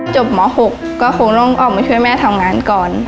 หมอ๖ก็คงต้องออกมาช่วยแม่ทำงานก่อน